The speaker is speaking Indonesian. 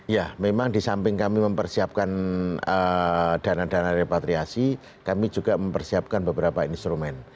ya memang di samping kami mempersiapkan dana dana repatriasi kami juga mempersiapkan beberapa instrumen